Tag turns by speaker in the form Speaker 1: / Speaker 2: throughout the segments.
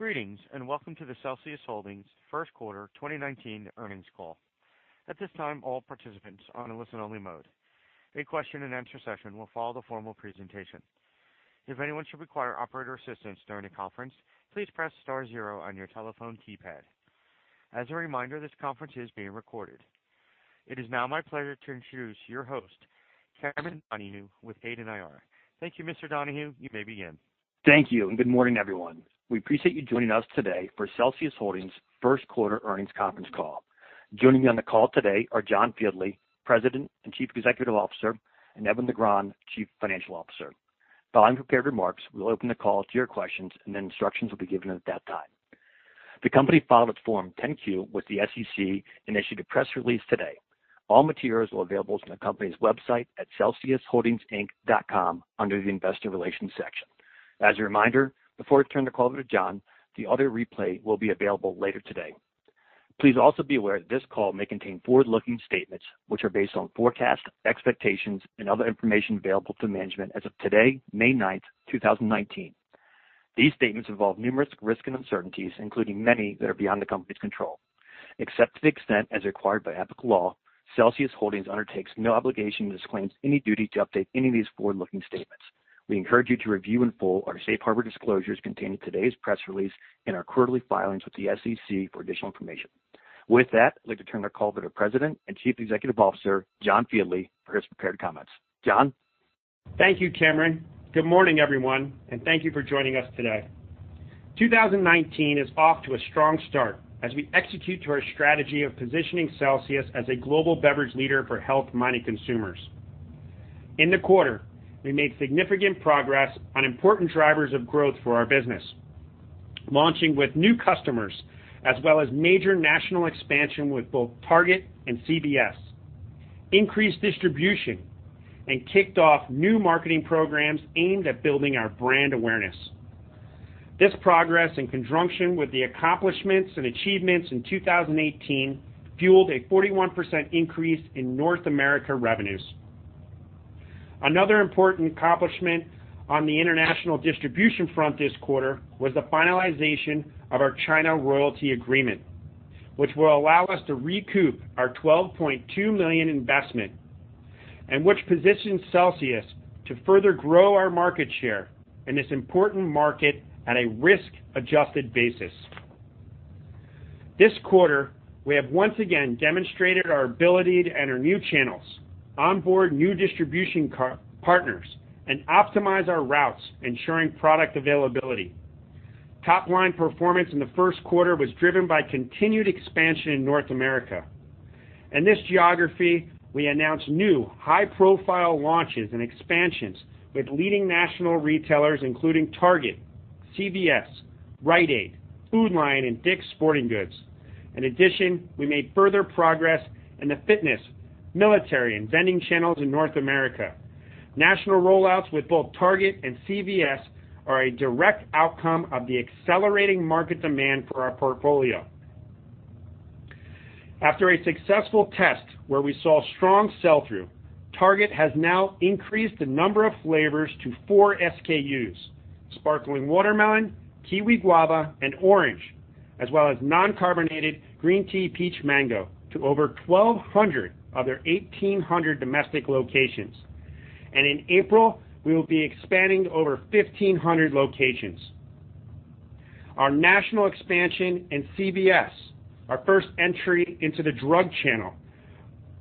Speaker 1: Greetings, welcome to the Celsius Holdings first quarter 2019 earnings call. At this time, all participants are on a listen-only mode. A question and answer session will follow the formal presentation. If anyone should require operator assistance during the conference, please press star zero on your telephone keypad. As a reminder, this conference is being recorded. It is now my pleasure to introduce your host, Cameron Donahue with Hayden IR. Thank you, Mr. Donahue. You may begin.
Speaker 2: Thank you, good morning, everyone. We appreciate you joining us today for Celsius Holdings' first quarter earnings conference call. Joining me on the call today are John Fieldly, President and Chief Executive Officer, and Edwin Negron, Chief Financial Officer. Following prepared remarks, we'll open the call to your questions, instructions will be given at that time. The company filed its Form 10-Q with the SEC and issued a press release today. All materials are available on the company's website at celsiusholdingsinc.com under the investor relations section. As a reminder, before I turn the call over to John, the audio replay will be available later today. Please also be aware that this call may contain forward-looking statements which are based on forecasts, expectations, and other information available to management as of today, May 9, 2019. These statements involve numerous risks and uncertainties, including many that are beyond the company's control. Except to the extent as required by applicable law, Celsius Holdings undertakes no obligation and disclaims any duty to update any of these forward-looking statements. We encourage you to review in full our safe harbor disclosures contained in today's press release and our quarterly filings with the SEC for additional information. With that, I'd like to turn the call over to President and Chief Executive Officer, John Fieldly, for his prepared comments. John?
Speaker 3: Thank you, Cameron. Good morning, everyone, thank you for joining us today. 2019 is off to a strong start as we execute to our strategy of positioning Celsius as a global beverage leader for health-minded consumers. In the quarter, we made significant progress on important drivers of growth for our business, launching with new customers, as well as major national expansion with both Target and CVS, increased distribution, kicked off new marketing programs aimed at building our brand awareness. This progress in conjunction with the accomplishments and achievements in 2018 fueled a 41% increase in North America revenues. Another important accomplishment on the international distribution front this quarter was the finalization of our China royalty agreement, which will allow us to recoup our $12.2 million investment and which positions Celsius to further grow our market share in this important market at a risk-adjusted basis. This quarter, we have once again demonstrated our ability to enter new channels, onboard new distribution partners, and optimize our routes, ensuring product availability. Top-line performance in the first quarter was driven by continued expansion in North America. In this geography, we announced new high-profile launches and expansions with leading national retailers including Target, CVS, Rite Aid, Food Lion, and Dick's Sporting Goods. In addition, we made further progress in the fitness, military, and vending channels in North America. National rollouts with both Target and CVS are a direct outcome of the accelerating market demand for our portfolio. After a successful test where we saw strong sell-through, Target has now increased the number of flavors to four SKUs, Sparkling Watermelon, Kiwi Guava, and Orange, as well as non-carbonated Peach Mango Green Tea, to over 1,200 of their 1,800 domestic locations. In April, we will be expanding to over 1,500 locations. Our national expansion in CVS, our first entry into the drug channel,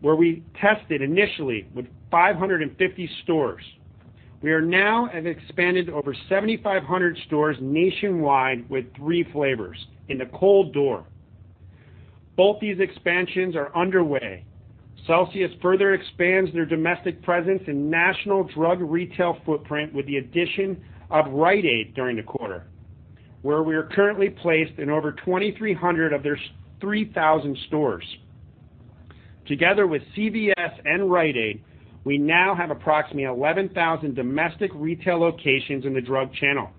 Speaker 3: where we tested initially with 550 stores. We are now have expanded over 7,500 stores nationwide with three flavors in the cold door. Both these expansions are underway. Celsius further expands their domestic presence and national drug retail footprint with the addition of Rite Aid during the quarter, where we are currently placed in over 2,300 of their 3,000 stores. Together with CVS and Rite Aid, we now have approximately 11,000 domestic retail locations in the drug channel,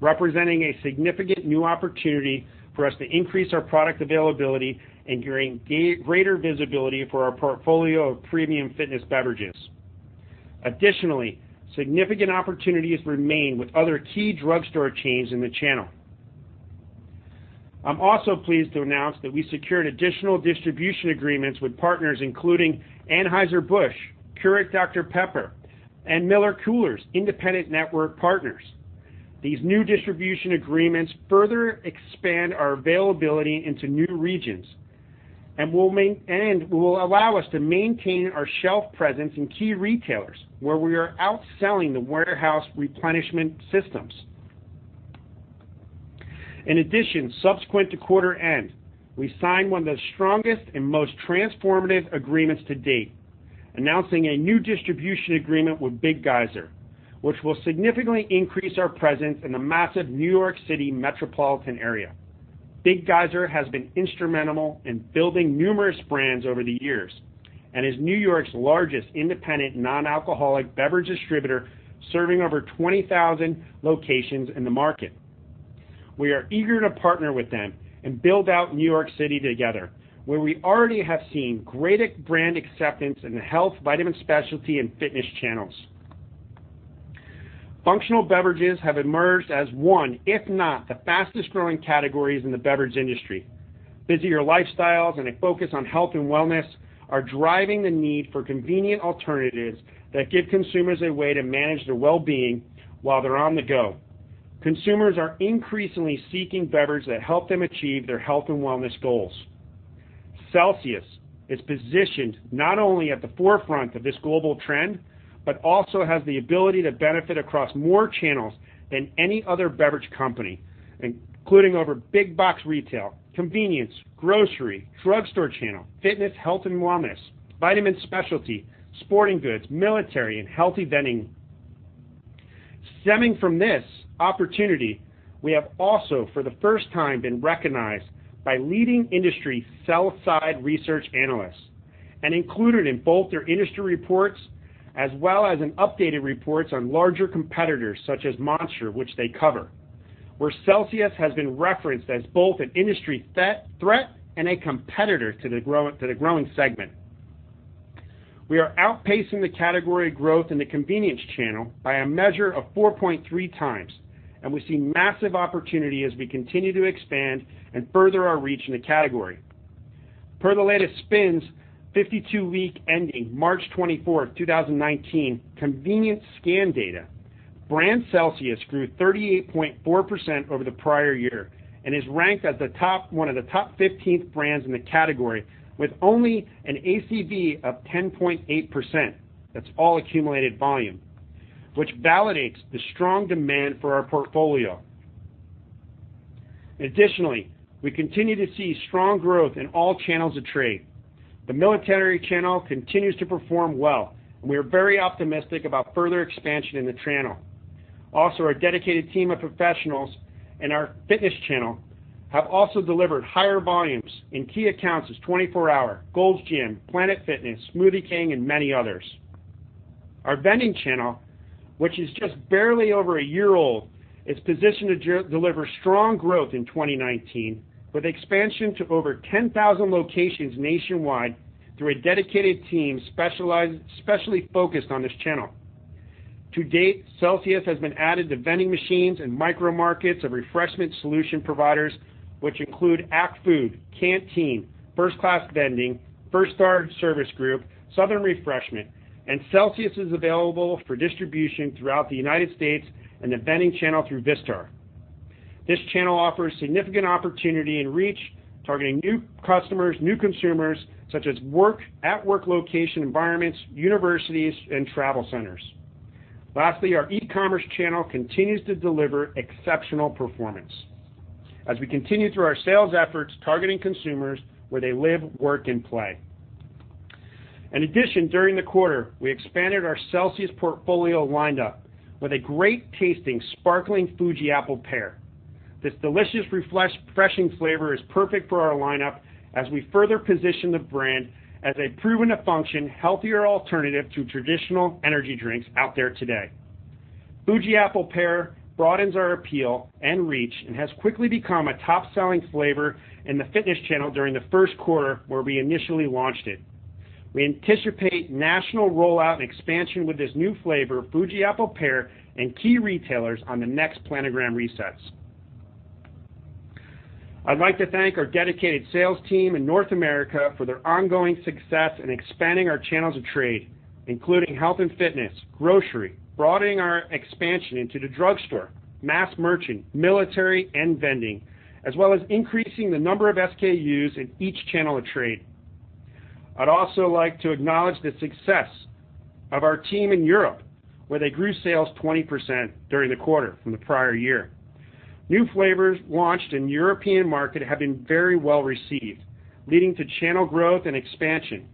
Speaker 3: representing a significant new opportunity for us to increase our product availability and greater visibility for our portfolio of premium fitness beverages. Additionally, significant opportunities remain with other key drugstore chains in the channel. I'm also pleased to announce that we secured additional distribution agreements with partners including Anheuser-Busch, Keurig Dr Pepper, and MillerCoors Independent Network Partners. These new distribution agreements further expand our availability into new regions and will allow us to maintain our shelf presence in key retailers where we are outselling the warehouse replenishment systems. Subsequent to quarter end, we signed one of the strongest and most transformative agreements to date, announcing a new distribution agreement with Big Geyser, which will significantly increase our presence in the massive New York City metropolitan area. Big Geyser has been instrumental in building numerous brands over the years and is New York's largest independent non-alcoholic beverage distributor, serving over 20,000 locations in the market. We are eager to partner with them and build out New York City together, where we already have seen great brand acceptance in the health, vitamin specialty, and fitness channels. Functional beverages have emerged as one, if not the fastest growing categories in the beverage industry. Busier lifestyles and a focus on health and wellness are driving the need for convenient alternatives that give consumers a way to manage their wellbeing while they're on the go. Consumers are increasingly seeking beverages that help them achieve their health and wellness goals. Celsius is positioned not only at the forefront of this global trend, but also has the ability to benefit across more channels than any other beverage company, including over big box retail, convenience, grocery, drugstore channel, fitness, health and wellness, vitamin specialty, sporting goods, military, and healthy vending. Stemming from this opportunity, we have also, for the first time, been recognized by leading industry sell-side research analysts and included in both their industry reports as well as in updated reports on larger competitors such as Monster, which they cover, where Celsius has been referenced as both an industry threat and a competitor to the growing segment. We are outpacing the category growth in the convenience channel by a measure of 4.3 times. We see massive opportunity as we continue to expand and further our reach in the category. Per the latest SPINS 52-week ending March 24th, 2019, convenience scan data, brand Celsius grew 38.4% over the prior year and is ranked as one of the top 15 brands in the category with only an ACV of 10.8%, that's all accumulated volume, which validates the strong demand for our portfolio. Additionally, we continue to see strong growth in all channels of trade. The military channel continues to perform well. We are very optimistic about further expansion in the channel. Also, our dedicated team of professionals in our fitness channel have also delivered higher volumes in key accounts as 24 Hour, Gold's Gym, Planet Fitness, Smoothie King, and many others. Our vending channel, which is just barely over a year old, is positioned to deliver strong growth in 2019 with expansion to over 10,000 locations nationwide through a dedicated team specially focused on this channel. To date, Celsius has been added to vending machines and micro markets of refreshment solution providers, which include AC Food, Canteen, First Class Vending, Five Star Service Group, Southern Refreshment. Celsius is available for distribution throughout the U.S. and the vending channel through Vistar. This channel offers significant opportunity and reach, targeting new customers, new consumers, such as at work location environments, universities, and travel centers. Lastly, our e-commerce channel continues to deliver exceptional performance as we continue through our sales efforts, targeting consumers where they live, work, and play. In addition, during the quarter, we expanded our Celsius portfolio lineup with a great tasting sparkling Fuji Apple Pear. This delicious refreshing flavor is perfect for our lineup as we further position the brand as a proven to function, healthier alternative to traditional energy drinks out there today. Fuji Apple Pear broadens our appeal and reach and has quickly become a top selling flavor in the fitness channel during the first quarter where we initially launched it. We anticipate national rollout and expansion with this new flavor of Fuji Apple Pear in key retailers on the next planogram resets. I'd like to thank our dedicated sales team in North America for their ongoing success in expanding our channels of trade, including health and fitness, grocery, broadening our expansion into the drugstore, mass merchant, military, and vending, as well as increasing the number of SKUs in each channel of trade. I'd also like to acknowledge the success of our team in Europe, where they grew sales 20% during the quarter from the prior year. New flavors launched in the European market have been very well received, leading to channel growth and expansion,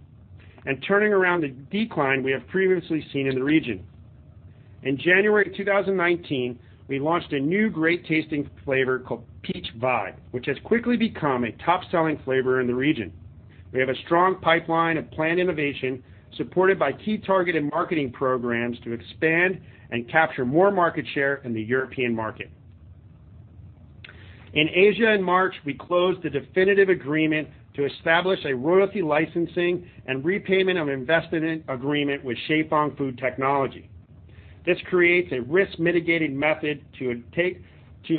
Speaker 3: turning around the decline we have previously seen in the region. In January 2019, we launched a new great tasting flavor called Peach Vibe, which has quickly become a top selling flavor in the region. We have a strong pipeline of planned innovation supported by key targeted marketing programs to expand and capture more market share in the European market. In Asia in March, we closed a definitive agreement to establish a royalty licensing and repayment of investment agreement with Qifeng Food Technology. This creates a risk mitigated method to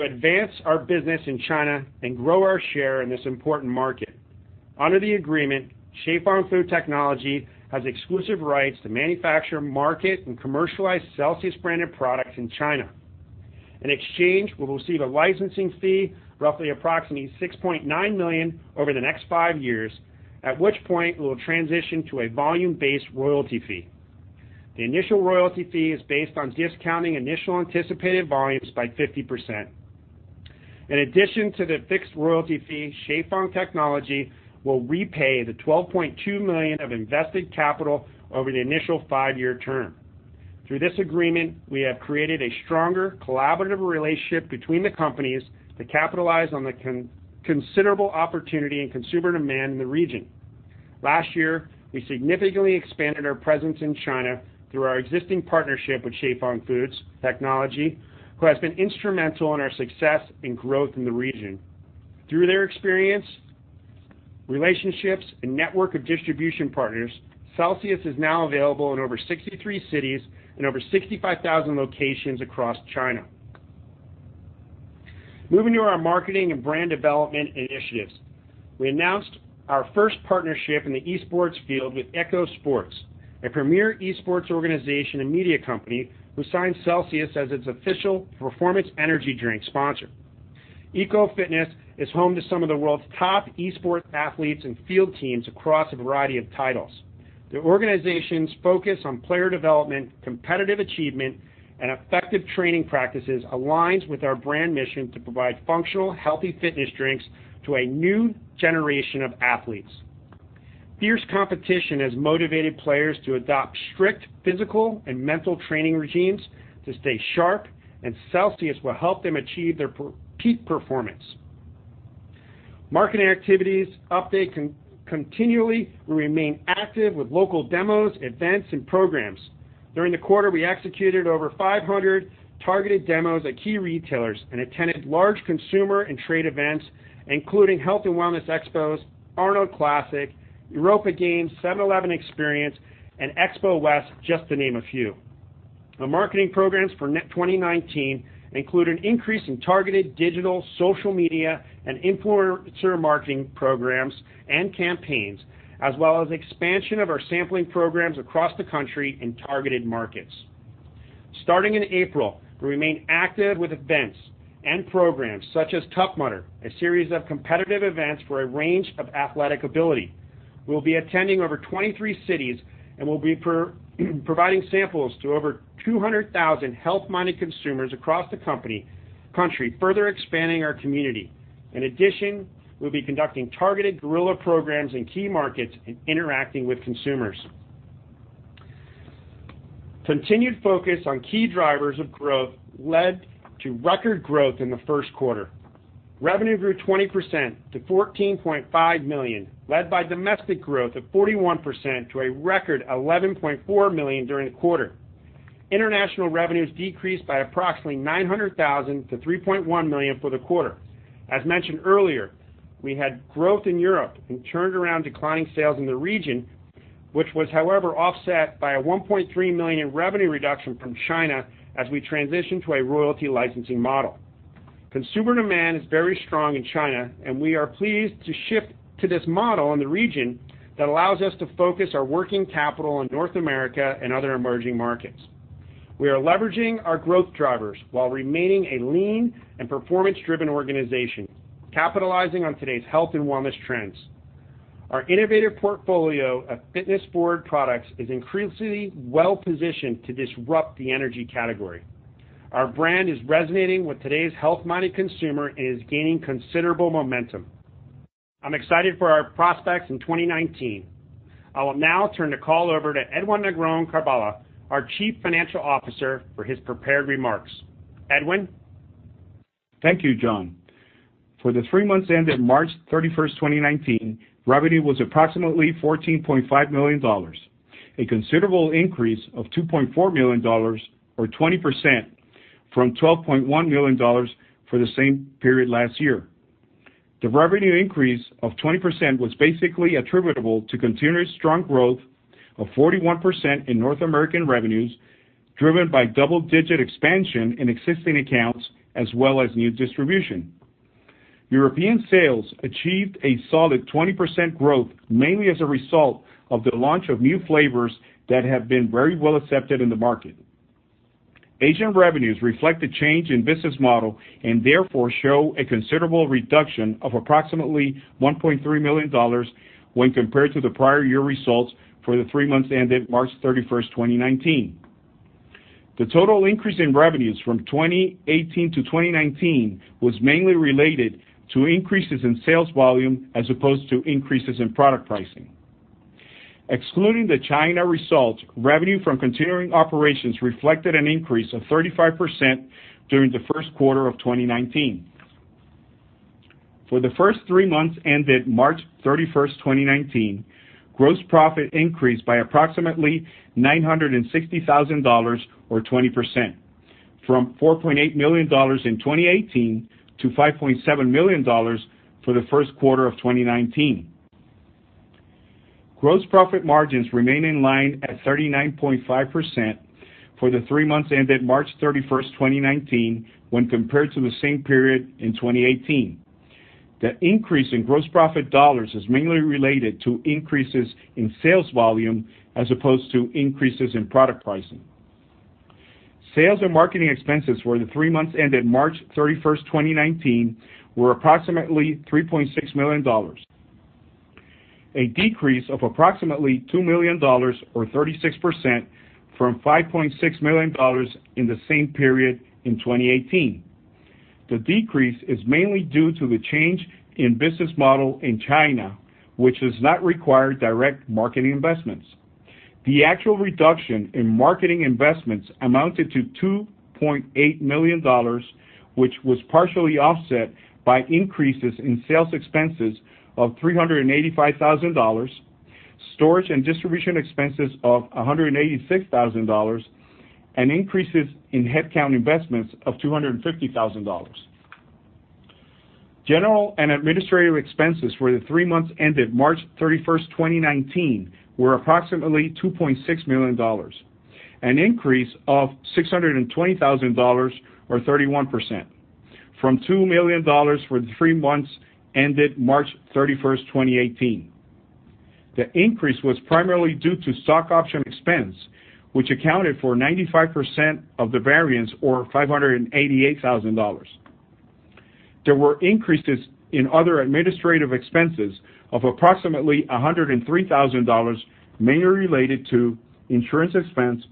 Speaker 3: advance our business in China and grow our share in this important market. Under the agreement, Qifeng Food Technology has exclusive rights to manufacture, market, and commercialize Celsius branded products in China. In exchange, we will receive a licensing fee roughly approximating $6.9 million over the next 5 years, at which point we will transition to a volume based royalty fee. The initial royalty fee is based on discounting initial anticipated volumes by 50%. In addition to the fixed royalty fee, Qifeng Food Technology will repay the $12.2 million of invested capital over the initial 5-year term. Through this agreement, we have created a stronger collaborative relationship between the companies to capitalize on the considerable opportunity and consumer demand in the region. Last year, we significantly expanded our presence in China through our existing partnership with Qifeng Food Technology, who has been instrumental in our success and growth in the region. Through their experience, relationships, and network of distribution partners, Celsius is now available in over 63 cities and over 65,000 locations across China. Moving to our marketing and brand development initiatives. We announced our first partnership in the esports field with Echo Fox, a premier esports organization and media company who signed Celsius as its official performance energy drink sponsor. Echo Fox is home to some of the world's top esports athletes and field teams across a variety of titles. The organization's focus on player development, competitive achievement, and effective training practices aligns with our brand mission to provide functional, healthy fitness drinks to a new generation of athletes. Fierce competition has motivated players to adopt strict physical and mental training regimes to stay sharp, and Celsius will help them achieve their peak performance. Marketing activities update. We remain active with local demos, events, and programs. During the quarter, we executed over 500 targeted demos at key retailers and attended large consumer and trade events, including Health and Wellness Expos, Arnold Classic, Europa Games, 7-Eleven Experience, and Expo West, just to name a few. The marketing programs for 2019 include an increase in targeted digital, social media, and influencer marketing programs and campaigns, as well as expansion of our sampling programs across the country in targeted markets. Starting in April, we remain active with events and programs such as Tough Mudder, a series of competitive events for a range of athletic ability. We'll be attending over 23 cities, and we'll be providing samples to over 200,000 health-minded consumers across the country, further expanding our community. In addition, we'll be conducting targeted guerrilla programs in key markets and interacting with consumers. Continued focus on key drivers of growth led to record growth in the first quarter. Revenue grew 20% to $14.5 million, led by domestic growth of 41% to a record $11.4 million during the quarter. International revenues decreased by approximately $900,000 to $3.1 million for the quarter. As mentioned earlier, we had growth in Europe and turned around declining sales in the region, which was, however, offset by a $1.3 million revenue reduction from China as we transition to a royalty licensing model. Consumer demand is very strong in China, and we are pleased to shift to this model in the region that allows us to focus our working capital on North America and other emerging markets. We are leveraging our growth drivers while remaining a lean and performance-driven organization, capitalizing on today's health and wellness trends. Our innovative portfolio of fitness forward products is increasingly well-positioned to disrupt the energy category. Our brand is resonating with today's health-minded consumer and is gaining considerable momentum. I'm excited for our prospects in 2019. I will now turn the call over to Edwin Negron-Carballo, our Chief Financial Officer, for his prepared remarks. Edwin?
Speaker 4: Thank you, John. For the three months ended March 31st, 2019, revenue was approximately $14.5 million, a considerable increase of $2.4 million or 20% from $12.1 million for the same period last year. The revenue increase of 20% was basically attributable to continuous strong growth of 41% in North American revenues, driven by double-digit expansion in existing accounts as well as new distribution. European sales achieved a solid 20% growth, mainly as a result of the launch of new flavors that have been very well accepted in the market. Asian revenues reflect the change in business model and therefore show a considerable reduction of approximately $1.3 million when compared to the prior year results for the three months ended March 31st, 2019. The total increase in revenues from 2018 to 2019 was mainly related to increases in sales volume as opposed to increases in product pricing. Excluding the China result, revenue from continuing operations reflected an increase of 35% during the first quarter of 2019. For the first three months ended March 31st, 2019, gross profit increased by approximately $960,000 or 20%, from $4.8 million in 2018 to $5.7 million for the first quarter of 2019. Gross profit margins remain in line at 39.5% for the three months ended March 31st, 2019, when compared to the same period in 2018. The increase in gross profit dollars is mainly related to increases in sales volume as opposed to increases in product pricing. Sales and marketing expenses for the three months ended March 31st, 2019, were approximately $3.6 million, a decrease of approximately $2 million or 36% from $5.6 million in the same period in 2018. The decrease is mainly due to the change in business model in China, which does not require direct marketing investments. The actual reduction in marketing investments amounted to $2.8 million, which was partially offset by increases in sales expenses of $385,000, storage and distribution expenses of $186,000, and increases in headcount investments of $250,000. General and administrative expenses for the three months ended March 31st, 2019, were approximately $2.6 million, an increase of $620,000, or 31%, from $2 million for the three months ended March 31st, 2018. The increase was primarily due to stock option expense, which accounted for 95% of the variance, or $588,000. There were increases in other administrative expenses of approximately $103,000, mainly related to insurance expense,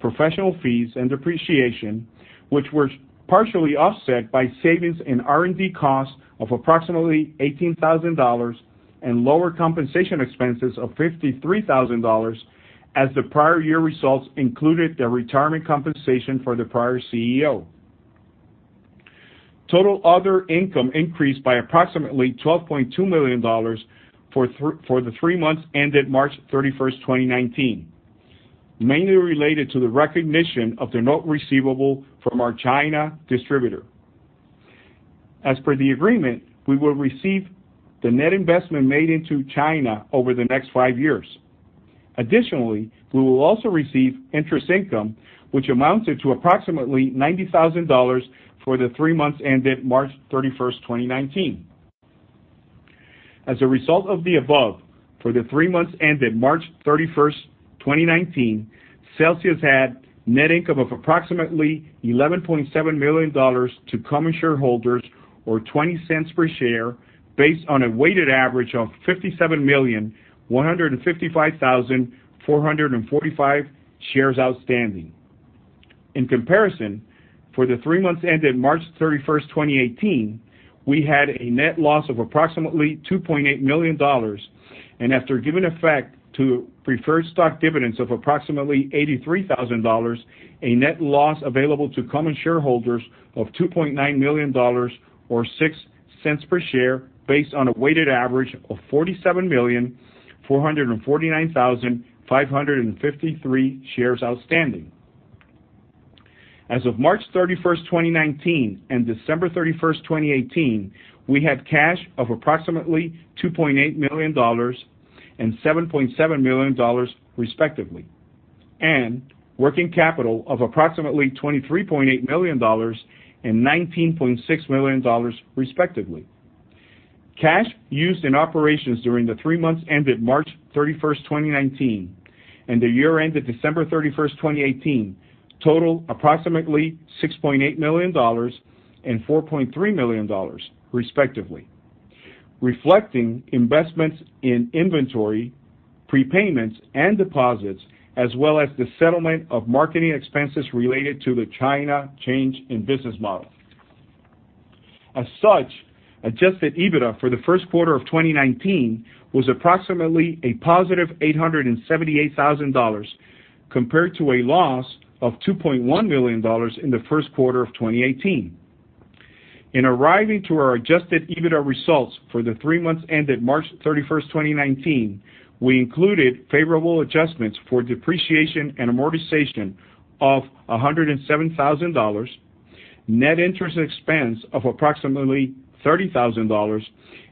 Speaker 4: professional fees, and depreciation, which were partially offset by savings in R&D costs of approximately $18,000 and lower compensation expenses of $53,000 as the prior year results included the retirement compensation for the prior CEO. Total other income increased by approximately $12.2 million for the three months ended March 31st, 2019, mainly related to the recognition of the note receivable from our China distributor. As per the agreement, we will receive the net investment made into China over the next five years. Additionally, we will also receive interest income, which amounted to approximately $90,000 for the three months ended March 31st, 2019. As a result of the above, for the three months ended March 31st, 2019, Celsius had net income of approximately $11.7 million to common shareholders, or $0.20 per share, based on a weighted average of 57,155,445 shares outstanding. In comparison, for the three months ended March 31st, 2018, we had a net loss of approximately $2.8 million, and after giving effect to preferred stock dividends of approximately $83,000, a net loss available to common shareholders of $2.9 million, or $0.06 per share, based on a weighted average of 47,449,553 shares outstanding. As of March 31st, 2019, and December 31st, 2018, we had cash of approximately $2.8 million and $7.7 million, respectively, and working capital of approximately $23.8 million and $19.6 million, respectively. Cash used in operations during the three months ended March 31st, 2019, and the year ended December 31st, 2018, total approximately $6.8 million and $4.3 million, respectively, reflecting investments in inventory, prepayments, and deposits, as well as the settlement of marketing expenses related to the China change in business model. As such, adjusted EBITDA for the first quarter of 2019 was approximately a positive $878,000, compared to a loss of $2.1 million in the first quarter of 2018. In arriving to our adjusted EBITDA results for the three months ended March 31st, 2019, we included favorable adjustments for depreciation and amortization of $107,000, net interest expense of approximately $30,000,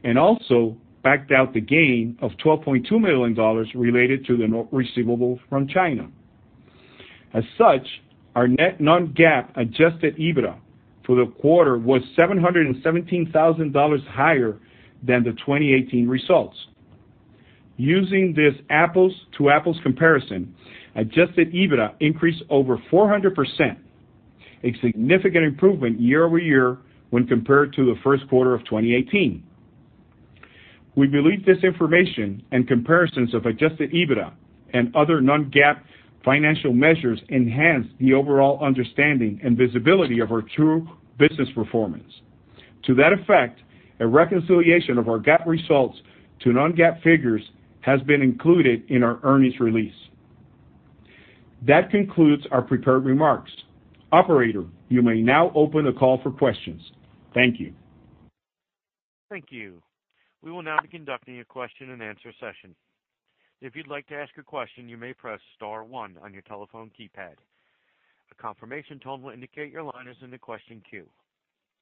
Speaker 4: and also backed out the gain of $12.2 million related to the receivable from China. As such, our net non-GAAP adjusted EBITDA for the quarter was $717,000 higher than the 2018 results. Using this apples-to-apples comparison, adjusted EBITDA increased over 400%, a significant improvement year-over-year when compared to the first quarter of 2018. We believe this information and comparisons of adjusted EBITDA and other non-GAAP financial measures enhance the overall understanding and visibility of our true business performance. To that effect, a reconciliation of our GAAP results to non-GAAP figures has been included in our earnings release. That concludes our prepared remarks. Operator, you may now open the call for questions. Thank you.
Speaker 1: Thank you. We will now be conducting a question-and-answer session. If you'd like to ask a question, you may press star one on your telephone keypad. A confirmation tone will indicate your line is in the question queue.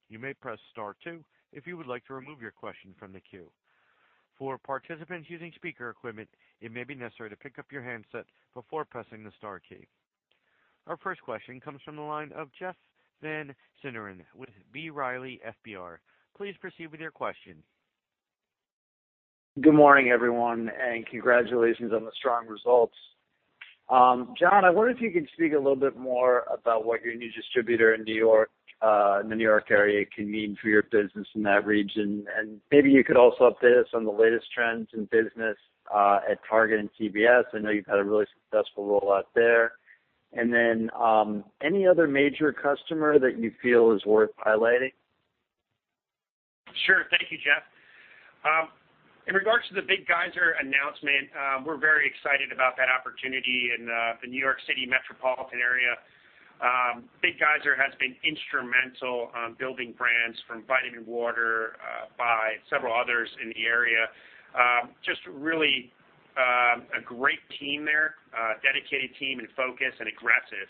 Speaker 1: You may press star two if you would like to remove your question from the queue. For participants using speaker equipment, it may be necessary to pick up your handset before pressing the star key. Our first question comes from the line of Jeff Van Sinderen with B. Riley FBR. Please proceed with your question.
Speaker 5: Good morning, everyone, and congratulations on the strong results. John, I wonder if you could speak a little bit more about what your new distributor in the New York area can mean for your business in that region. Maybe you could also update us on the latest trends in business at Target and CVS. I know you've had a really successful rollout there. Then, any other major customer that you feel is worth highlighting?
Speaker 3: Sure. Thank you, Jeff. In regards to the Big Geyser announcement, we're very excited about that opportunity in the New York City metropolitan area. Big Geyser has been instrumental on building brands from vitaminwater, by several others in the area. Just really a great team there, dedicated team and focused and aggressive.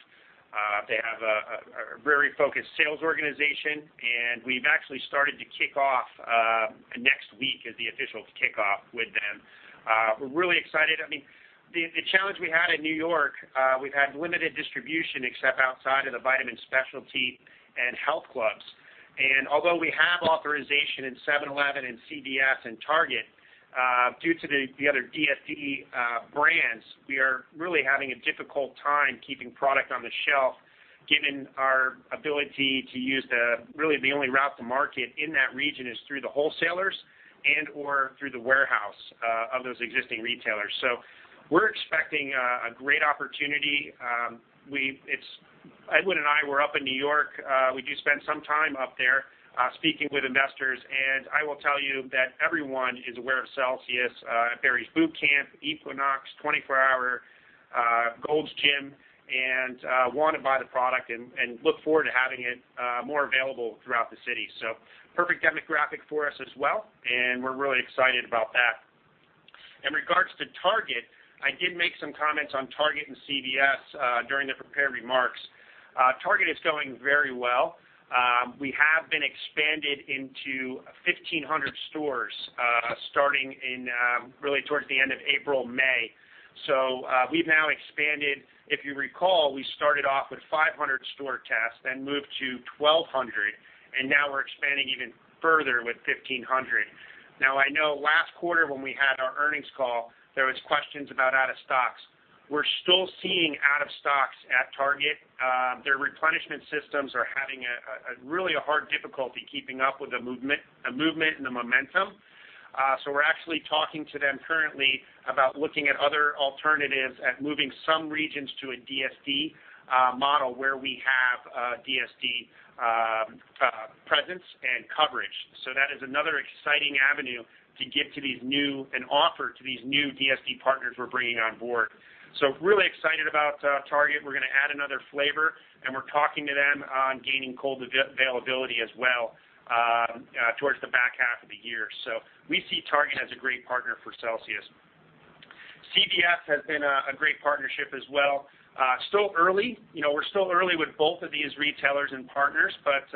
Speaker 3: They have a very focused sales organization, and we've actually started to kick off, next week is the official kickoff with them. We're really excited. The challenge we had in New York, we've had limited distribution except outside of the vitamin specialty and health clubs. Although we have authorization in 7-Eleven and CVS and Target, due to the other DSD brands, we are really having a difficult time keeping product on the shelf given our ability to use, really the only route to market in that region is through the wholesalers and/or through the warehouse of those existing retailers. We're expecting a great opportunity. Edwin and I were up in New York. We do spend some time up there, speaking with investors, and I will tell you that everyone is aware of Celsius at Barry's Bootcamp, Equinox, 24 Hour, Gold's Gym, and want to buy the product and look forward to having it more available throughout the city. Perfect demographic for us as well, and we're really excited about that. In regards to Target, I did make some comments on Target and CVS during the prepared remarks. Target is going very well. We have been expanded into 1,500 stores, starting in really towards the end of April, May. We've now expanded. If you recall, we started off with 500 store tests, then moved to 1,200, and now we're expanding even further with 1,500. I know last quarter when we had our earnings call, there was questions about out of stocks. We're still seeing out of stocks at Target. Their replenishment systems are having really a hard difficulty keeping up with the movement and the momentum. We're actually talking to them currently about looking at other alternatives at moving some regions to a DSD model where we have DSD presence and coverage. That is another exciting avenue to get to these new and offer to these new DSD partners we're bringing on board. Really excited about Target. We're going to add another flavor, and we're talking to them on gaining cold availability as well towards the back half of the year. We see Target as a great partner for Celsius. CVS has been a great partnership as well. Still early. We're still early with both of these retailers and partners, but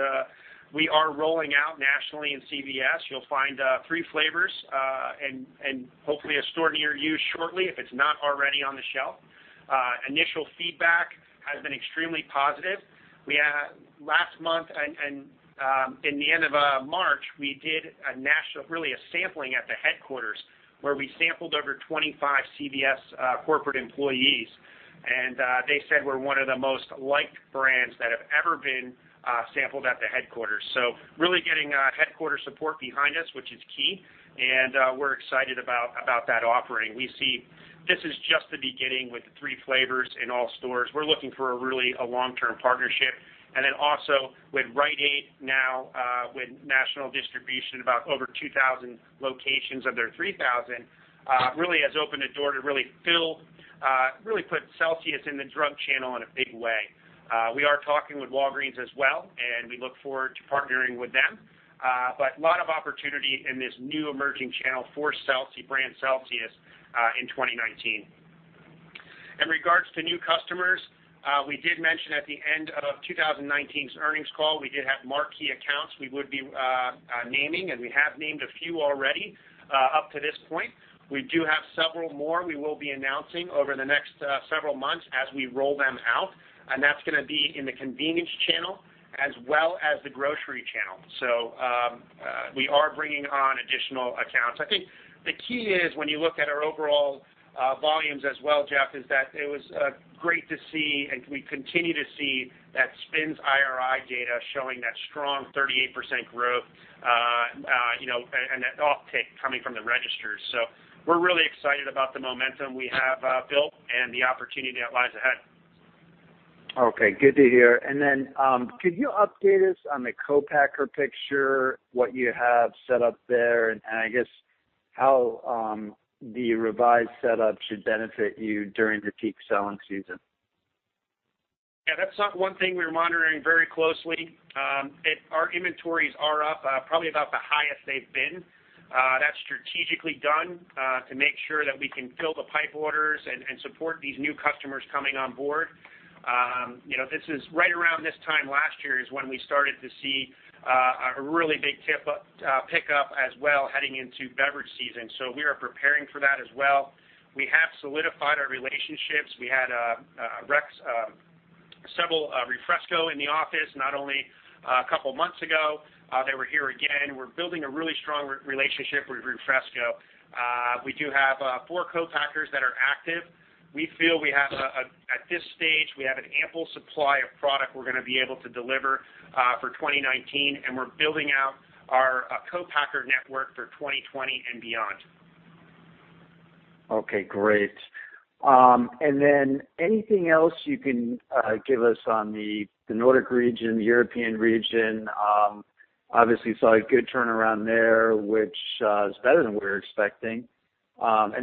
Speaker 3: we are rolling out nationally in CVS. You'll find 3 flavors, and hopefully a store near you shortly if it's not already on the shelf. Initial feedback has been extremely positive. Last month and in the end of March, we did a national, really a sampling at the headquarters where we sampled over 25 CVS corporate employees, and they said we're one of the most liked brands that have ever been sampled at the headquarters. Really getting headquarter support behind us, which is key, and we're excited about that offering. We see this is just the beginning with the 3 flavors in all stores. We're looking for really a long-term partnership. Then also with Rite Aid now with national distribution, about over 2,000 locations of their 3,000, really has opened the door to really put Celsius in the drug channel in a big way. We are talking with Walgreens as well, and we look forward to partnering with them. A lot of opportunity in this new emerging channel for the brand Celsius in 2019. In regards to new customers, we did mention at the end of 2019's earnings call, we did have marquee accounts we would be naming, and we have named a few already up to this point. We do have several more we will be announcing over the next several months as we roll them out, and that's going to be in the convenience channel as well as the grocery channel. So, we are bringing on additional accounts. I think the key is when you look at our overall volumes as well, Jeff, is that it was great to see, and we continue to see that SPINS IRI data showing that strong 38% growth, and that off-take coming from the registers. So we're really excited about the momentum we have built and the opportunity that lies ahead.
Speaker 5: Okay. Good to hear. Could you update us on the co-packer picture, what you have set up there, and I guess how the revised setup should benefit you during the peak selling season?
Speaker 3: That's one thing we're monitoring very closely. Our inventories are up, probably about the highest they've been. That's strategically done, to make sure that we can fill the pipe orders and support these new customers coming on board. Right around this time last year is when we started to see a really big pick up as well heading into beverage season, so we are preparing for that as well. We have solidified our relationships. We had several Refresco in the office not only a couple of months ago. They were here again. We're building a really strong relationship with Refresco. We do have four co-packers that are active. We feel at this stage, we have an ample supply of product we're going to be able to deliver for 2019, and we're building out our co-packer network for 2020 and beyond.
Speaker 5: Okay, great. Anything else you can give us on the Nordic region, the European region? Obviously saw a good turnaround there, which is better than we were expecting.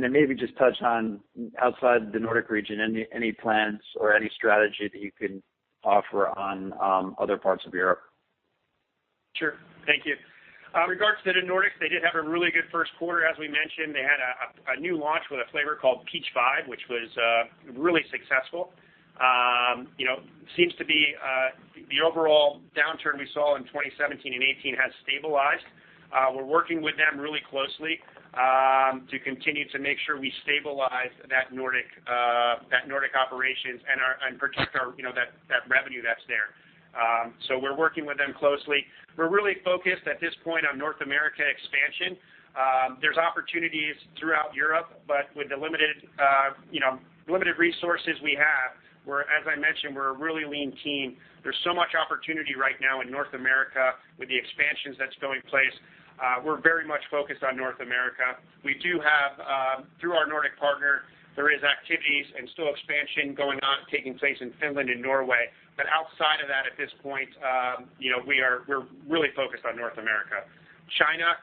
Speaker 5: Maybe just touch on outside the Nordic region, any plans or any strategy that you can offer on other parts of Europe?
Speaker 3: Sure. Thank you. In regards to the Nordics, they did have a really good first quarter, as we mentioned. They had a new launch with a flavor called Peach Vibe, which was really successful. Seems to be the overall downturn we saw in 2017 and 2018 has stabilized. We're working with them really closely to continue to make sure we stabilize that Nordic operations and protect that revenue that's there. We're working with them closely. We're really focused at this point on North America expansion. There's opportunities throughout Europe, with the limited resources we have, as I mentioned, we're a really lean team. There's so much opportunity right now in North America with the expansions that's going in place. We're very much focused on North America. We do have, through our Nordic partner, there is activities and still expansion going on, taking place in Finland and Norway. Outside of that, at this point, we're really focused on North America. China,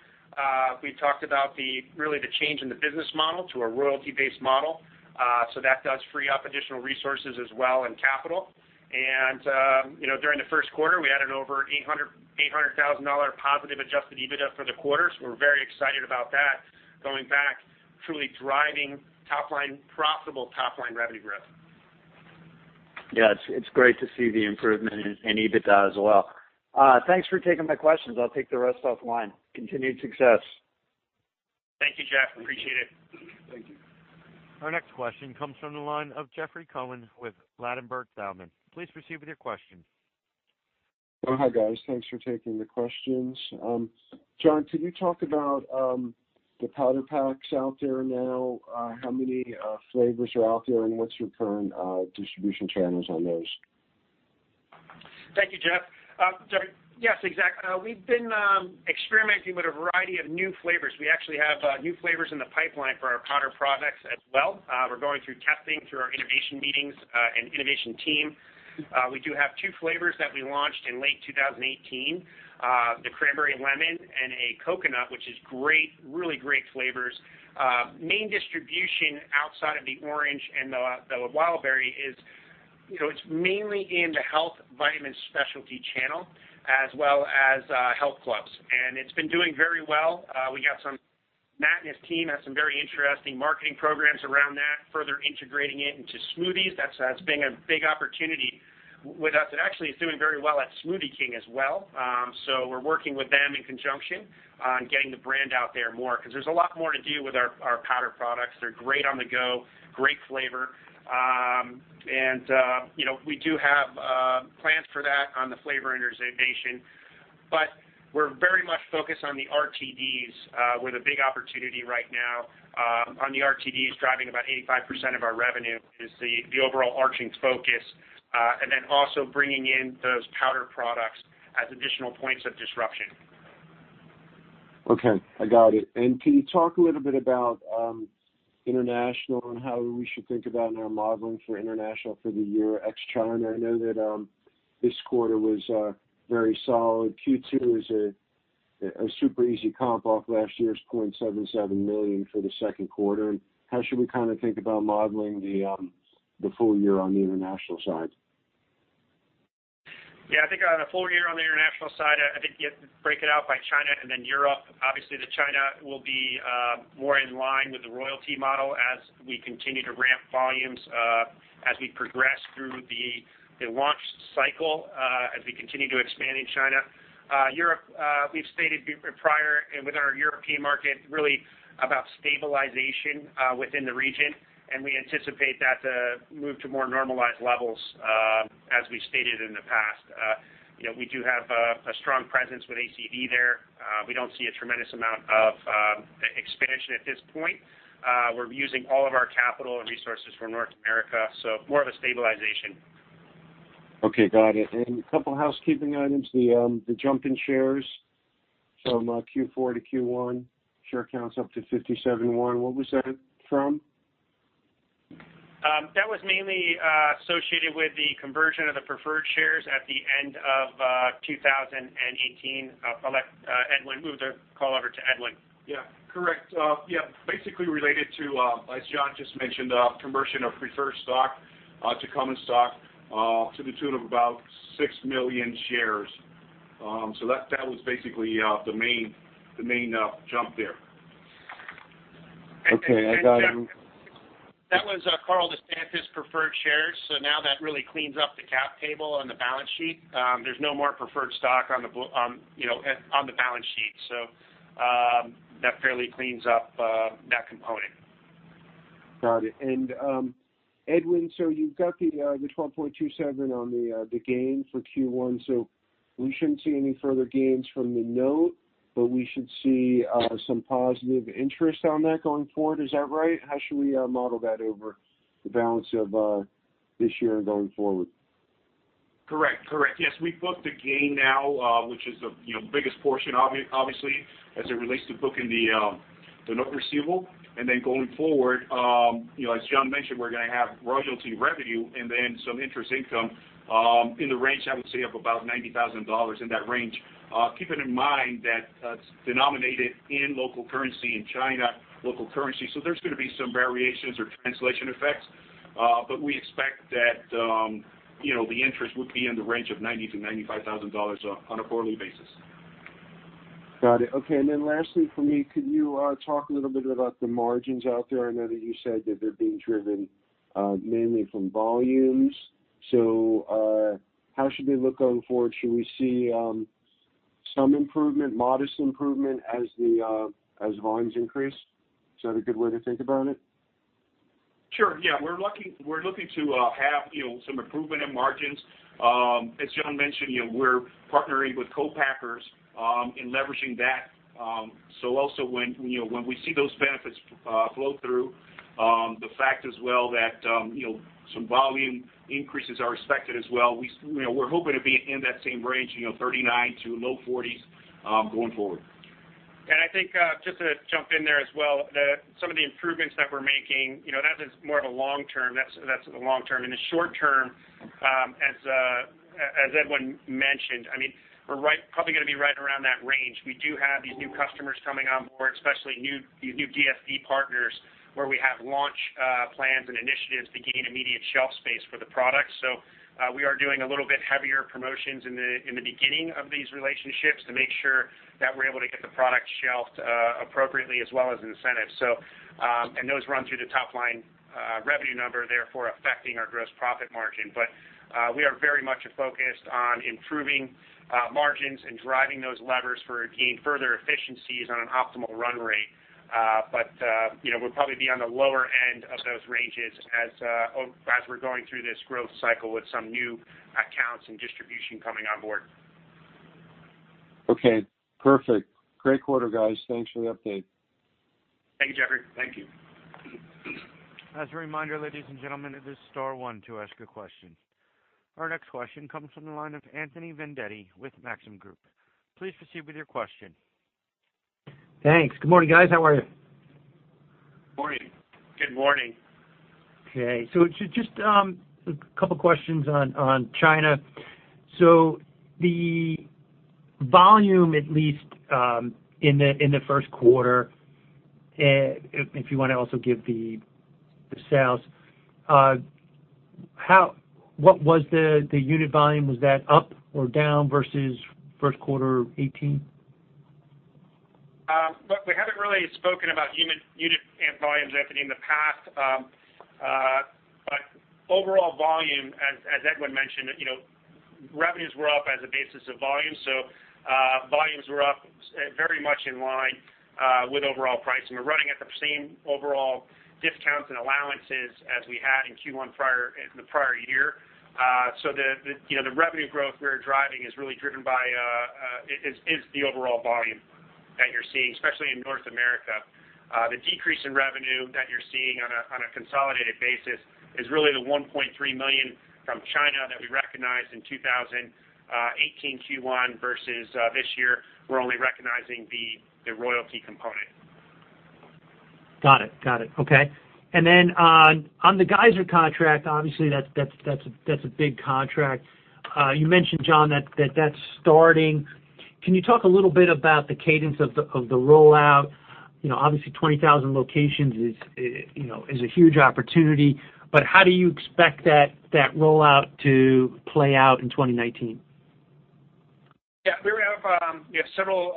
Speaker 3: we talked about really the change in the business model to a royalty-based model. That does free up additional resources as well, and capital. During the first quarter, we had an over $800,000 positive adjusted EBITDA for the quarter. We're very excited about that going back, truly driving profitable top-line revenue growth.
Speaker 5: It's great to see the improvement in EBITDA as well. Thanks for taking my questions. I'll take the rest offline. Continued success.
Speaker 3: Thank you, Jeff. Appreciate it.
Speaker 4: Thank you.
Speaker 1: Our next question comes from the line of Jeffrey Cohen with Ladenburg Thalmann. Please proceed with your question.
Speaker 6: Hi, guys. Thanks for taking the questions. John, can you talk about the powder packs out there now? How many flavors are out there, and what's your current distribution channels on those?
Speaker 3: Thank you, Jeff. Yes, exactly. We've been experimenting with a variety of new flavors. We actually have new flavors in the pipeline for our powder products as well. We're going through testing through our innovation meetings and innovation team. We do have two flavors that we launched in late 2018, the cranberry and lemon and a coconut, which is great, really great flavors. Main distribution outside of the orange and the wild berry is, it's mainly in the health vitamin specialty channel as well as health clubs. It's been doing very well. Matt and his team have some very interesting marketing programs around that, further integrating it into smoothies. That's been a big opportunity with us, and actually it's doing very well at Smoothie King as well. We're working with them in conjunction on getting the brand out there more, because there's a lot more to do with our powder products. They're great on the go, great flavor. We do have plans for that on the flavor innovation. We're very much focused on the RTDs, where the big opportunity right now on the RTDs driving about 85% of our revenue is the overall arching focus. Then also bringing in those powder products as additional points of disruption.
Speaker 6: Okay, I got it. Can you talk a little bit about international and how we should think about in our modeling for international for the year ex China? I know that this quarter was very solid. Q2 is a super easy comp off last year's $0.77 million for the second quarter. How should we think about modeling the full year on the international side?
Speaker 3: I think on a full year on the international side, I think you have to break it out by China and then Europe. Obviously, the China will be more in line with the royalty model as we continue to ramp volumes, as we progress through the launch cycle, as we continue to expand in China. Europe, we've stated prior with our European market really about stabilization within the region, and we anticipate that to move to more normalized levels as we stated in the past. We do have a strong presence with ACV there. We don't see a tremendous amount of expansion at this point. We're using all of our capital and resources for North America, so more of a stabilization.
Speaker 6: Okay, got it. A couple housekeeping items, the jump in shares from Q4 to Q1, share count's up to 57.1. What was that from?
Speaker 3: That was mainly associated with the conversion of the preferred shares at the end of 2018. I'll let Move the call over to Edwin.
Speaker 4: Yeah. Correct. Basically related to, as John just mentioned, conversion of preferred stock to common stock to the tune of about 6 million shares. That was basically the main jump there.
Speaker 6: Okay, I got it.
Speaker 3: That was Carl DeSantis' preferred shares, now that really cleans up the cap table on the balance sheet. There's no more preferred stock on the balance sheet. That fairly cleans up that component.
Speaker 6: Got it. Edwin, you've got the $12.27 on the gain for Q1, we shouldn't see any further gains from the note, we should see some positive interest on that going forward. Is that right? How should we model that over the balance of this year and going forward?
Speaker 4: Correct. We booked the gain now, which is the biggest portion obviously, as it relates to booking the note receivable. Going forward, as John mentioned, we're going to have royalty revenue and then some interest income, in the range, I would say, of about $90,000, in that range. Keeping in mind that it's denominated in local currency in China, local currency. There's going to be some variations or translation effects. We expect that the interest would be in the range of $90,000-$95,000 on a quarterly basis.
Speaker 6: Got it. Okay. Lastly for me, could you talk a little bit about the margins out there? I know that you said that they're being driven mainly from volumes. How should we look going forward? Should we see some improvement, modest improvement as volumes increase? Is that a good way to think about it?
Speaker 4: Sure. We're looking to have some improvement in margins. As John mentioned, we're partnering with co-packers in leveraging that. Also when we see those benefits flow through, the fact as well that some volume increases are expected as well. We're hoping to be in that same range, 39%-low 40s, going forward.
Speaker 3: I think, just to jump in there as well, that some of the improvements that we're making, that is more of a long term. That's the long term. In the short term, as Edwin mentioned, we're probably going to be right around that range. We do have these new customers coming on board, especially these new DSD partners, where we have launch plans and initiatives to gain immediate shelf space for the product. We are doing a little bit heavier promotions in the beginning of these relationships to make sure that we're able to get the product shelfed appropriately as well as incentives. Those run through the top-line revenue number, therefore affecting our gross profit margin. We are very much focused on improving margins and driving those levers for gaining further efficiencies on an optimal run rate. We'll probably be on the lower end of those ranges as we're going through this growth cycle with some new accounts and distribution coming on board.
Speaker 6: Perfect. Great quarter, guys. Thanks for the update.
Speaker 4: Thank you, Jeffrey. Thank you.
Speaker 1: As a reminder, ladies and gentlemen, it is star one to ask a question. Our next question comes from the line of Anthony Vendetti with Maxim Group. Please proceed with your question.
Speaker 7: Thanks. Good morning, guys. How are you?
Speaker 4: Morning.
Speaker 3: Good morning.
Speaker 7: Okay, just a couple questions on China. The volume, at least, in the first quarter, if you want to also give the sales, what was the unit volume? Was that up or down versus first quarter 2018?
Speaker 3: Look, we haven't really spoken about unit volumes, Anthony, in the past. Overall volume, as Edwin mentioned, revenues were up as a basis of volume. Volumes were up very much in line with overall pricing. We're running at the same overall discounts and allowances as we had in Q1 the prior year. The revenue growth we're driving is the overall volume that you're seeing, especially in North America. The decrease in revenue that you're seeing on a consolidated basis is really the $1.3 million from China that we recognized in 2018 Q1 versus, this year, we're only recognizing the royalty component.
Speaker 7: Got it. Okay. On the Geyser contract, obviously, that's a big contract. You mentioned, John, that that's starting. Can you talk a little bit about the cadence of the rollout? Obviously, 20,000 locations is a huge opportunity, how do you expect that rollout to play out in 2019?
Speaker 3: Yeah. We have several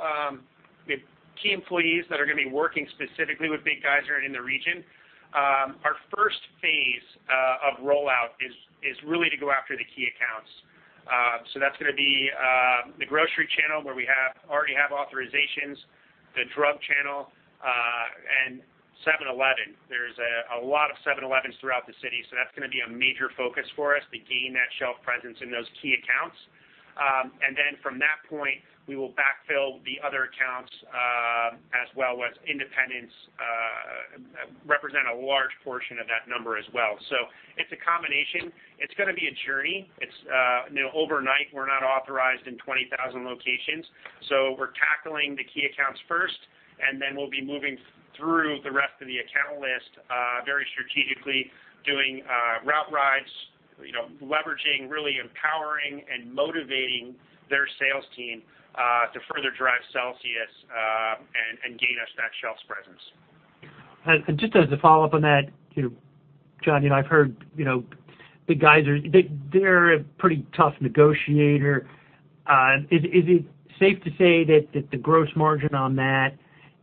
Speaker 3: key employees that are going to be working specifically with Big Geyser and in the region. Our first phase of rollout is really to go after the key accounts. That's going to be the grocery channel, where we already have authorizations, the drug channel, and 7-Eleven. There's a lot of 7-Elevens throughout the city, that's going to be a major focus for us to gain that shelf presence in those key accounts. From that point, we will backfill the other accounts, as well as independents represent a large portion of that number as well. It's a combination. It's going to be a journey. Overnight, we're not authorized in 20,000 locations. We're tackling the key accounts first, then we'll be moving through the rest of the account list very strategically, doing route rides, leveraging, really empowering and motivating their sales team, to further drive Celsius, and gain us that shelf presence.
Speaker 7: Just as a follow-up on that, John, I've heard Big Geyser, they're a pretty tough negotiator. Is it safe to say that the gross margin on that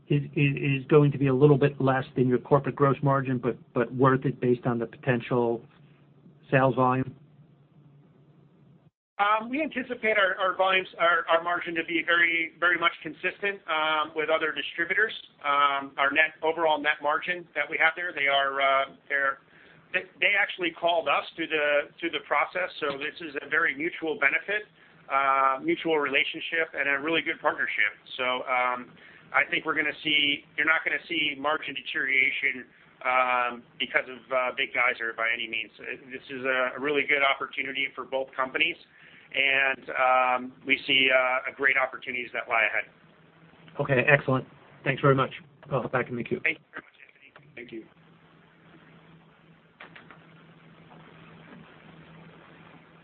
Speaker 7: is going to be a little bit less than your corporate gross margin, but worth it based on the potential sales volume?
Speaker 3: We anticipate our margin to be very much consistent with other distributors. Our overall net margin that we have there, they actually called us through the process, this is a very mutual benefit. A mutual relationship and a really good partnership. I think you're not going to see margin deterioration because of Big Geyser by any means. This is a really good opportunity for both companies, and we see great opportunities that lie ahead.
Speaker 7: Okay, excellent. Thanks very much. I'll hop back in the queue.
Speaker 3: Thank you very much, Anthony. Thank you.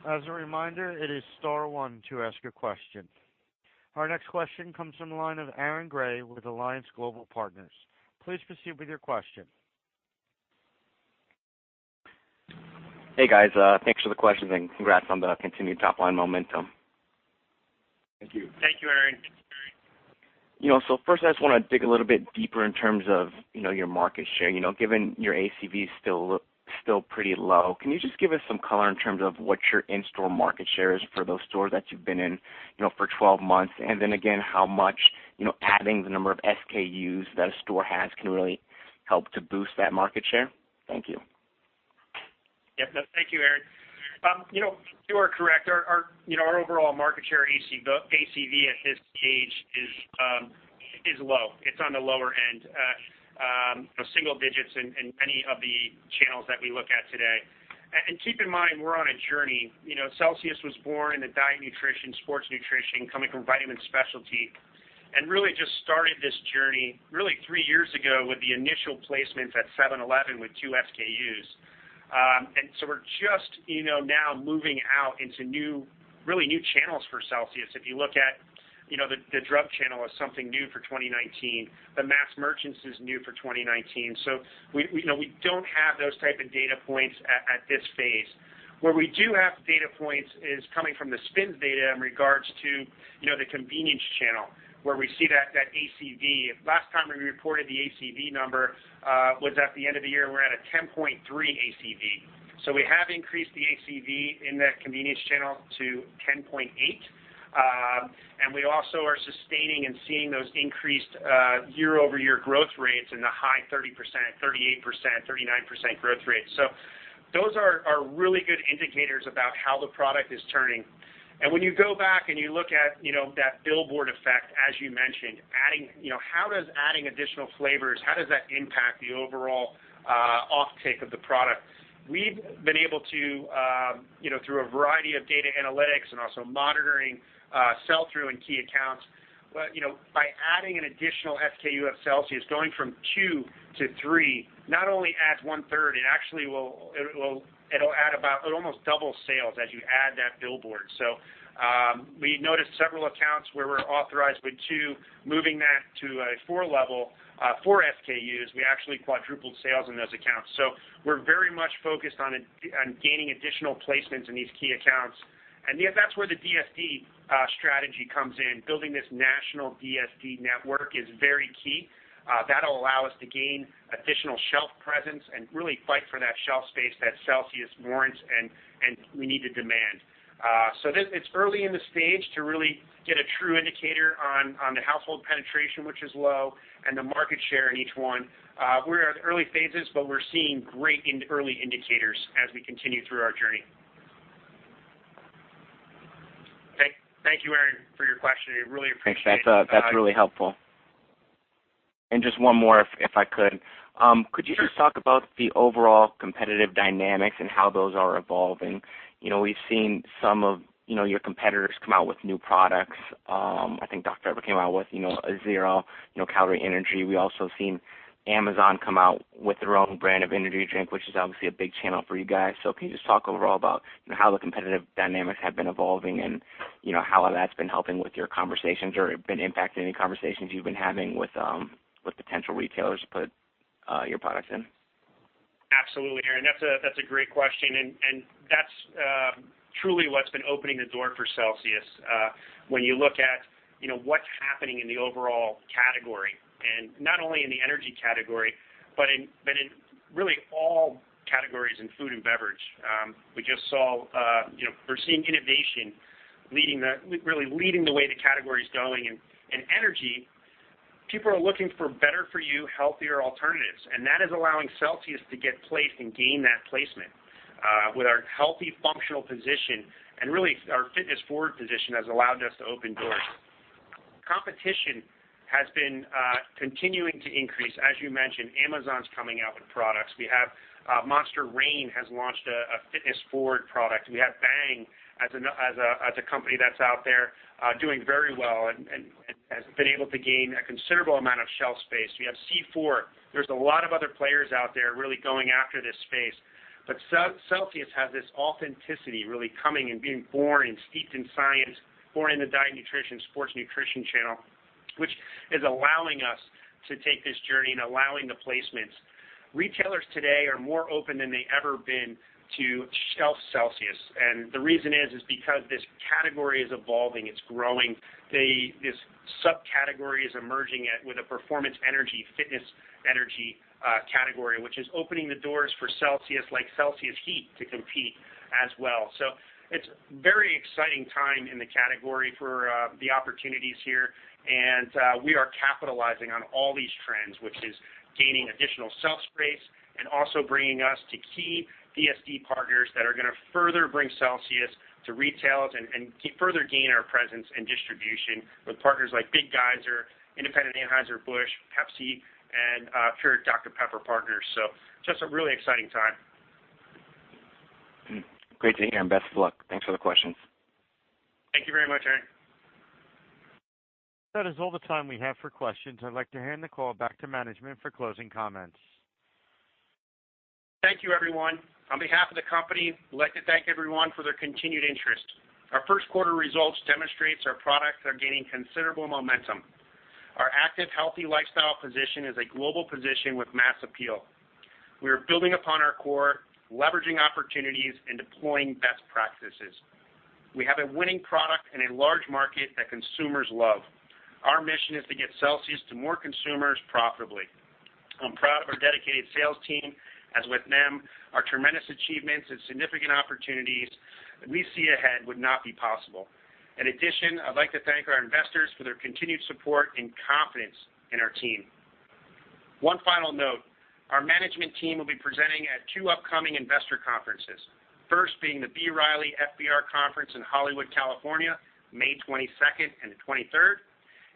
Speaker 1: As a reminder, it is star one to ask a question. Our next question comes from the line of Aaron Grey with Alliance Global Partners. Please proceed with your question.
Speaker 8: Hey, guys. Thanks for the questions, congrats on the continued top-line momentum.
Speaker 3: Thank you.
Speaker 4: Thank you, Aaron.
Speaker 8: First, I just want to dig a little bit deeper in terms of your market share. Given your ACV is still pretty low, can you just give us some color in terms of what your in-store market share is for those stores that you've been in for 12 months? Again, how much adding the number of SKUs that a store has can really help to boost that market share? Thank you.
Speaker 3: Yep. Thank you, Aaron. You are correct. Our overall market share ACV at this stage is low. It's on the lower end. Single digits in many of the channels that we look at today. Keep in mind, we're on a journey. Celsius was born in the diet nutrition, sports nutrition, coming from vitamin specialty, and really just started this journey really three years ago with the initial placements at 7-Eleven with two SKUs. We're just now moving out into really new channels for Celsius. If you look at the drug channel as something new for 2019, the mass merchants is new for 2019. We don't have those type of data points at this phase. Where we do have data points is coming from the SPINS data in regards to the convenience channel, where we see that ACV. Last time we reported the ACV number was at the end of the year, and we're at a 10.3 ACV. We have increased the ACV in that convenience channel to 10.8. We also are sustaining and seeing those increased year-over-year growth rates in the high 30%, 38%, 39% growth rates. Those are really good indicators about how the product is turning. When you go back and you look at that billboard effect, as you mentioned, how does adding additional flavors, how does that impact the overall off-take of the product? We've been able to, through a variety of data analytics and also monitoring sell-through in key accounts, by adding an additional SKU of Celsius, going from two to three, not only adds 1/3, it almost doubles sales as you add that billboard. We noticed several accounts where we're authorized with 2, moving that to a 4 level, 4 SKUs, we actually quadrupled sales in those accounts. We're very much focused on gaining additional placements in these key accounts. That's where the DSD strategy comes in. Building this national DSD network is very key. That'll allow us to gain additional shelf presence and really fight for that shelf space that Celsius warrants, and we need to demand. It's early in the stage to really get a true indicator on the household penetration, which is low, and the market share in each one. We're at early phases, but we're seeing great early indicators as we continue through our journey. Thank you, Aaron, for your question. We really appreciate it.
Speaker 8: Thanks. That's really helpful. Just one more if I could.
Speaker 3: Sure.
Speaker 8: Could you just talk about the overall competitive dynamics and how those are evolving? We've seen some of your competitors come out with new products. I think Dr Pepper came out with a zero-calorie energy. We also seen Amazon come out with their own brand of energy drink, which is obviously a big channel for you guys. Can you just talk overall about how the competitive dynamics have been evolving and how that's been helping with your conversations or been impacting any conversations you've been having with potential retailers to put your products in?
Speaker 3: Absolutely, Aaron. That's a great question. That's truly what's been opening the door for Celsius. When you look at what's happening in the overall category, and not only in the energy category, but in really all categories in food and beverage. We're seeing innovation really leading the way the category's going. In energy, people are looking for better for you, healthier alternatives, and that is allowing Celsius to get placed and gain that placement with our healthy functional position, and really our fitness forward position has allowed us to open doors. Competition has been continuing to increase. As you mentioned, Amazon's coming out with products. We have Monster Reign has launched a fitness forward product. We have Bang as a company that's out there doing very well and has been able to gain a considerable amount of shelf space. We have C4. There's a lot of other players out there really going after this space. Celsius has this authenticity really coming and being born and steeped in science, born in the diet nutrition, sports nutrition channel, which is allowing us to take this journey and allowing the placements. Retailers today are more open than they ever been to shelf Celsius, and the reason is because this category is evolving. It's growing. This subcategory is emerging with a performance energy, fitness energy category, which is opening the doors for Celsius, like Celsius Heat to compete as well. It's very exciting time in the category for the opportunities here, and we are capitalizing on all these trends, which is gaining additional shelf space and also bringing us to key DSD partners that are going to further bring Celsius to retails and further gain our presence and distribution with partners like Big Geyser, Independent Anheuser-Busch, Pepsi, and Dr Pepper partners. Just a really exciting time.
Speaker 8: Great to hear and best of luck. Thanks for the questions.
Speaker 3: Thank you very much, Aaron.
Speaker 1: That is all the time we have for questions. I'd like to hand the call back to management for closing comments.
Speaker 3: Thank you, everyone. On behalf of the company, we'd like to thank everyone for their continued interest. Our first quarter results demonstrates our products are gaining considerable momentum. Our active healthy lifestyle position is a global position with mass appeal. We are building upon our core, leveraging opportunities, and deploying best practices. We have a winning product in a large market that consumers love. Our mission is to get Celsius to more consumers profitably. I'm proud of our dedicated sales team, as with them, our tremendous achievements and significant opportunities that we see ahead would not be possible. In addition, I'd like to thank our investors for their continued support and confidence in our team. One final note, our management team will be presenting at two upcoming investor conferences. First being the B. Riley FBR Conference in Hollywood, California, May 22nd and the 23rd,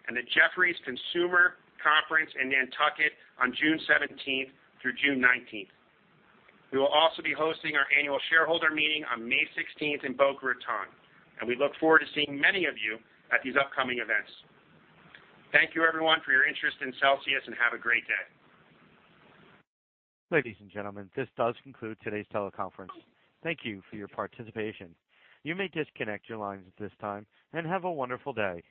Speaker 3: and the Jefferies Consumer Conference in Nantucket on June 17th through June 19th. We will also be hosting our annual shareholder meeting on May 16th in Boca Raton, and we look forward to seeing many of you at these upcoming events. Thank you everyone for your interest in Celsius, and have a great day.
Speaker 1: Ladies and gentlemen, this does conclude today's teleconference. Thank you for your participation. You may disconnect your lines at this time, and have a wonderful day.